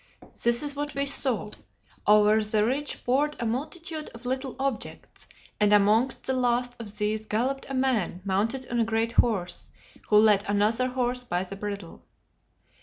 This is what we saw. Over the ridge poured a multitude of little objects, and amongst the last of these galloped a man mounted on a great horse, who led another horse by the bridle.